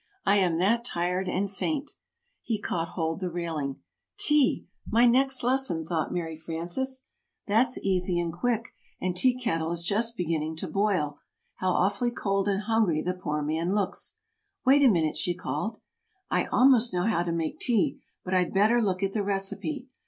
I am that tired and faint." He caught hold the railing. "Tea! my next lesson!" thought Mary Frances. "That's easy and quick! and Tea Kettle is just beginning to boil. How awfully cold and hungry the poor man looks!" [Illustration: Mary Frances peeped out of the window] "Wait a minute," she called. "I almost know how to make tea, but I'd better look at the recipe.